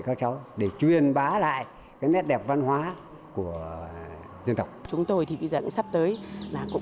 các thành viên đều là nông dân nhưng đều có chung một tình yêu trèo sâu sắc